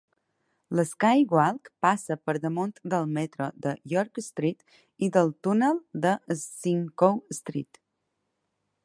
L'SkyWalk passa per damunt del metro de York Street i del túnel de Simcoe Street.